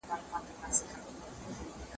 د لاس لیکنه د فاصلو د له منځه وړلو وسیله ده.